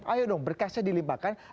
ayo dong berkasnya dilimpahkan